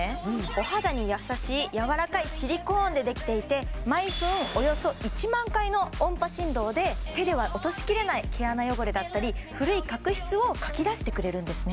お肌に優しいやわらかいシリコーンでできていて毎分およそ１万回の音波振動で手では落としきれない毛穴汚れだったり古い角質をかきだしてくれるんですね